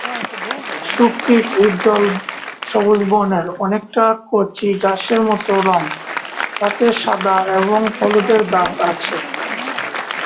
শূককীট উজ্জ্বল সবুজ বর্ণের, অনেকটা কচি ঘাসের মতো রঙ তাতে সাদা এবং হলুদের দাগ আছে।